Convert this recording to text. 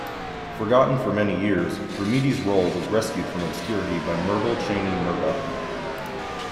Forgotten for many years, Brumidi's role was rescued from obscurity by Myrtle Cheney Murdock.